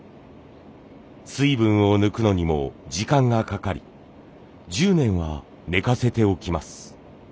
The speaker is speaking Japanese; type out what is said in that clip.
水分を抜くのにも時間がかかり１０年は寝かせておきます。